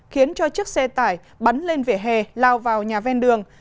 khiến cho chiếc xe tải bắn lên vỉa hè lao vào nhà ven đường